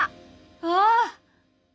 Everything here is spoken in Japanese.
ああ！